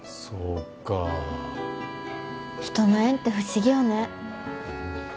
そうか人の縁って不思議よね